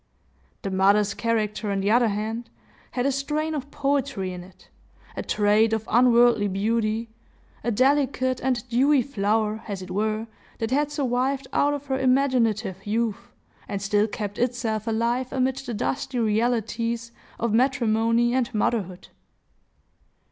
The mother's character, on the other hand, had a strain of poetry in it, a trait of unworldly beauty,—a delicate and dewy flower, as it were, that had survived out of her imaginative youth, and still kept itself alive amid the dusty realities of matrimony and motherhood.